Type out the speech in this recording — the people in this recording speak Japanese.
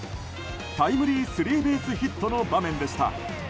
タイムリースリーベースヒットの場面でした。